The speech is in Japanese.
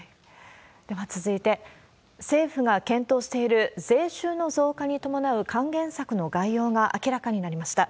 では続いて、政府が検討している税収の増加に伴う還元策の概要が明らかになりました。